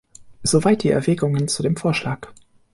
Soweit die Erwägungen zu dem Vorschlag.